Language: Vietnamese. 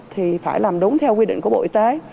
thì phải làm đúng theo quy định của bộ y tế